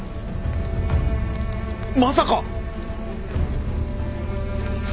まさか！